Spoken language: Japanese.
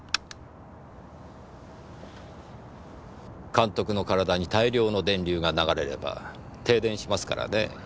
監督の体に大量の電流が流れれば停電しますからね。